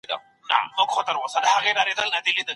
د مرکې پر وخت مخصوص آياتونه ولي ويل کېږي؟